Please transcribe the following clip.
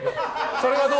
それはどう？